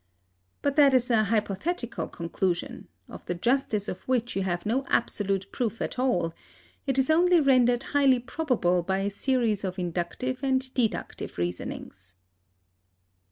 But that is a hypothetical conclusion, of the justice of which you have no absolute proof at all; it is only rendered highly probable by a series of inductive and deductive reasonings.